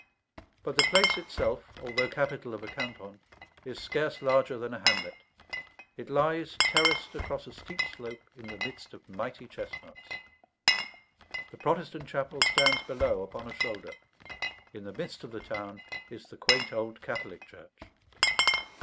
But the place itself, although capital of a canton, is scarce larger than a hamlet. It lies terraced across a steep slope in the midst of mighty chestnuts. The Protestant chapel stands below upon a shoulder; in the midst of the town is the quaint old Catholic church.